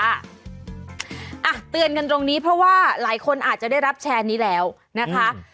อ่ะเตือนกันตรงนี้เพราะว่าหลายคนอาจจะได้รับแชร์นี้แล้วนะคะ